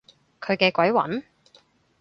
佢嘅鬼魂？